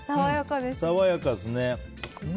爽やかですね。